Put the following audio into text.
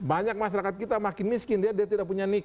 banyak masyarakat kita makin miskin dia tidak punya nic